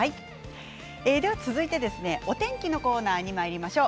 続いてお天気のコーナーにまいりましょう。